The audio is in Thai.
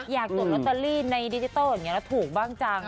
อยากลบตะรี่ในดิจิทัลถูกบ้างจัง